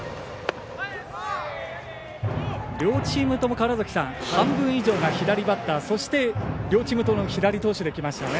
両チームとも半分以上が左バッターそして両チームとも左投手できましたね。